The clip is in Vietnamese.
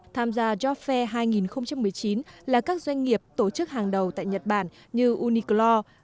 tham gia job fair hai nghìn một mươi chín là các doanh nghiệp tổ chức hàng đầu tại nhật bản như unicloor